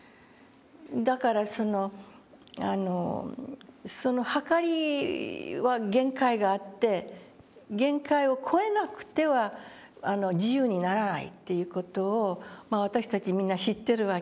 だからその秤は限界があって限界を超えなくては自由にならないっていう事を私たちみんな知ってるわけですよ